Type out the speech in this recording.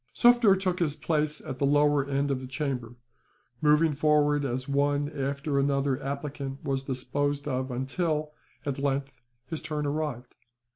Sufder took his place at the lower end of the chamber, moving forward as one after another applicant was disposed of until, at length, his turn arrived.